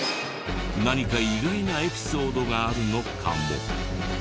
何か意外なエピソードがあるのかも。